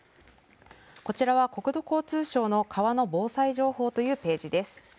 こちらは国土交通省の川の防災情報というページです。